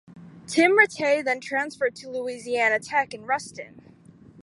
Tim Rattay then transferred to Louisiana Tech, in Ruston.